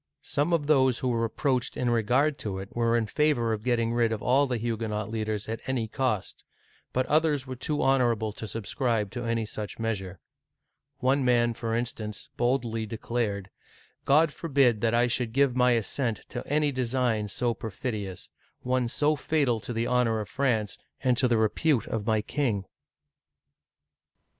Some of those who were approached in regard to it were in favor of getting rid of all the Huguenot leaders at any cost, but others were too honorable to subscribe to any such measure ; one man, for instance, boldly declared :God forbid that I should give my assent to any design so perfidious — one so fatal to the honor of France and to the repute of my king